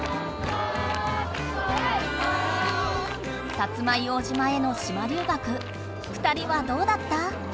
薩摩硫黄島への島留学ふたりはどうだった？